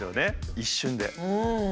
一瞬で。